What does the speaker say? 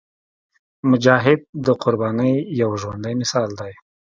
مجاهد د قربانۍ یو ژوندی مثال دی.